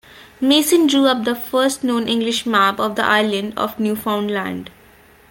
Mason drew up the first known English map of the island of Newfoundland.